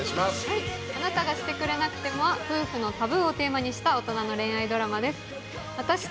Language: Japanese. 「あなたがしてくれなくても」は夫婦のタブーをテーマにした大人の恋愛ドラマです。